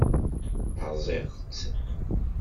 Rẓiɣ-tt.